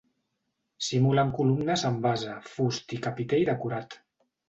Simulen columnes amb base, fust i capitell decorat.